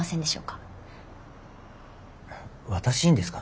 私にですか？